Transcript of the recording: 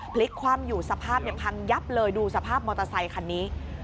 พลิกคว่ำอยู่สภาพพังยับเลยดูสภาพมอเตอร์ไซคันนี้